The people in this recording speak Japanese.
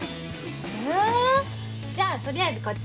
えじゃあ取りあえずこっちで。